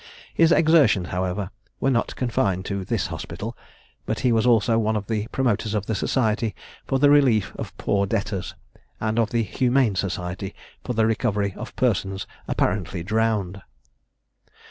His exertions, however, were not confined to this hospital, but he was also one of the promoters of the Society for the Relief of Poor Debtors, and of the Humane Society for the recovery of persons apparently drowned.